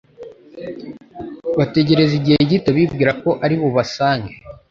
Bategereza igihe gito bibwira ko ari bubasange.